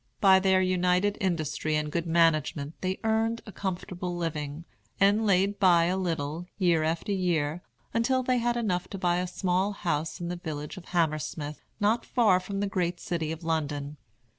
By their united industry and good management they earned a comfortable living, and laid by a little, year after year, until they had enough to buy a small house in the village of Hammersmith, not far from the great city of London.